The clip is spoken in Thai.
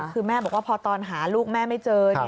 คือแม่บอกว่าพอตอนหาลูกแม่ไม่เจอ